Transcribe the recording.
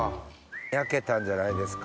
焼けたんじゃないですか？